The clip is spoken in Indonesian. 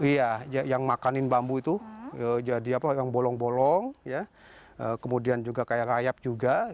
iya yang makanin bambu itu jadi apa yang bolong bolong kemudian juga kayakp juga